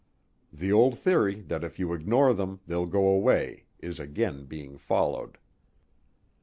The old theory that if you ignore them they'll go away is again being followed.